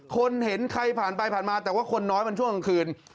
คนเห็นใครผ่านไปผ่านมาแต่ว่าคนน้อยมันช่วงกลางคืน